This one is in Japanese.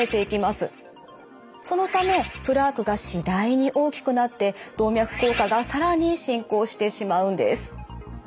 そのためプラークが次第に大きくなって動脈硬化が更に進行してしまうんです。